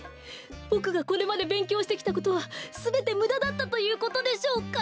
ボクがこれまでべんきょうしてきたことはすべてむだだったということでしょうか？